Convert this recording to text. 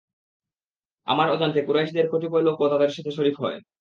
আমার অজান্তে কুরাইশদের কতিপয় লোকও তাদের সাথে শরীক হয়।